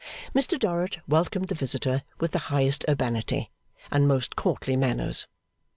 Mr Dorrit welcomed the visitor with the highest urbanity, and most courtly manners.